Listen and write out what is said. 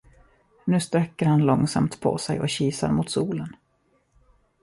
Nu sträcker han långsamt på sig och kisar mot solen.